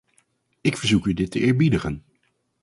Ik verzoek u dit te eerbiedigen.